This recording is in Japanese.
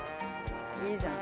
いいじゃん。